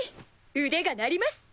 腕が鳴ります！